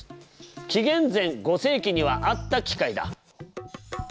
紀元前５世紀にはあった機械だ。